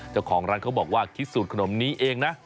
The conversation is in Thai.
เจ้าของร้านเขาบอกว่าคิดสูตรขนมนี้เองนะ